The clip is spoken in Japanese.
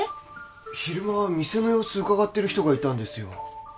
昼間店の様子うかがってる人がいたんですよ